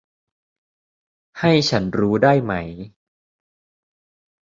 ให้ฉันรู้ได้ไหม